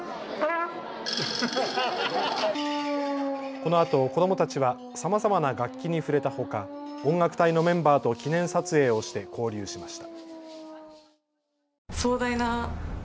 このあと子どもたちはさまざまな楽器に触れたほか音楽隊のメンバーと記念撮影をして交流しました。